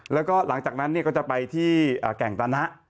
แล้วก็หลังจากนั้นก็จะไปที่แก่งตะนะ